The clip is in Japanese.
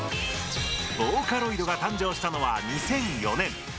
ボーカロイドが誕生したのは２００４年。